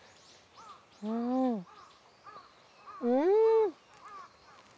うんうん。